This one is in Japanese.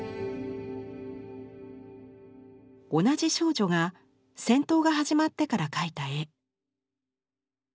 同じ少女が戦闘が始まってから描いた絵。